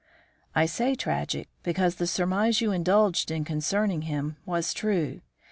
I say tragic, because the surmise you indulged in concerning him was true.